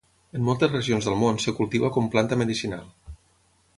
En moltes regions del món es cultiva com planta medicinal.